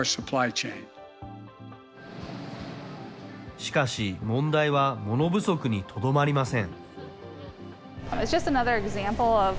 しかし、問題は物不足にとどまりません。